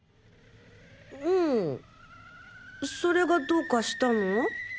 うんそれがどうかしたの？